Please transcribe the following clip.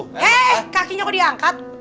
heee kakinya kok diangkat